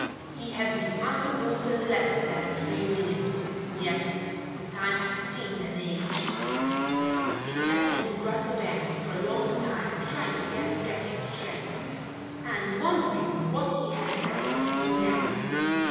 He had been under water less than three minutes, yet the time had seemed an age. He sat on the grassy bank for a long time, trying to get back his strength and wondering what he had best do next.